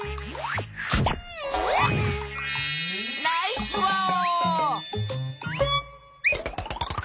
ナイスワオ！